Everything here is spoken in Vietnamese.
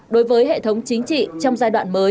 đối với hệ thống chính trị